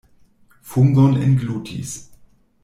Fungon englutis!